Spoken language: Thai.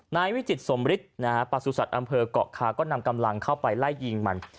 นายวิจิตสมฤทธิ์ประสุทธิ์อำเภอกเกาะคาก็นำกำลังเข้าไปไล่ยิงมัน